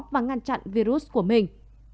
và ngăn chặn virus của mình